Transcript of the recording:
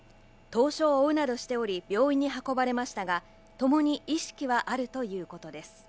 凍傷を負うなどしており、病院に運ばれましたが、共に意識はあるということです。